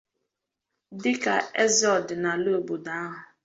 dịka eze ọdịnala obodo ahụ